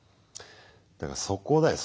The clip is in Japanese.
だからそこだよ